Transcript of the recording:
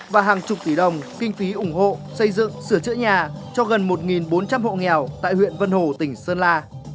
và hàng chục tỷ đồng kinh phí ủng hộ xây dựng sửa chữa nhà cho gần một bốn trăm linh hộ nghèo tại huyện vân hồ tỉnh sơn la